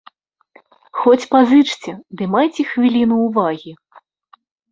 Хоць пазычце, ды майце хвіліну ўвагі.